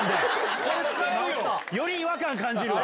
より違和感感じるわ！